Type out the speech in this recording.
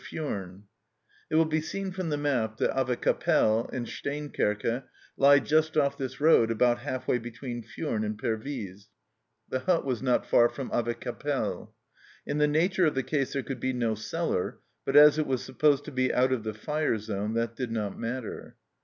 THE STEENKERKE HUT 229 It will be seen from the map that Avecappelle and Steenkerke lie just off this road about half way between Fumes and Pervyse. The hut was not far from Avecappelle. In the nature of the case there could be no cellar, but as it was supposed to be out of the fire zone that did not matter.